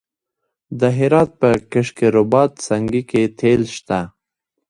د هرات په کشک رباط سنګي کې تیل شته.